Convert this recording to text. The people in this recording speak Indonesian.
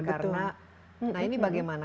karena ini bagaimana